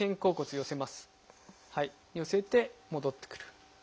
寄せて戻ってくる。